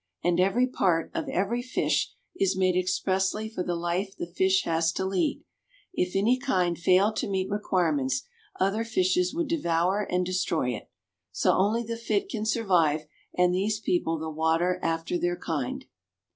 And every part of every fish is made expressly for the life the fish has to lead. If any kind failed to meet requirements, other fishes would devour and destroy it. So only the fit can survive and these people the water after their kind.